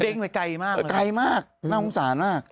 ดึงไว้ไกลมากเหรอคะไกลมากน่าโง่งสารมาก